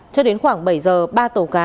cho đến khoảng bảy giờ ba tàu cá